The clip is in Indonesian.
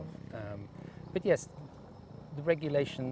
regulasi itu harus dilakukan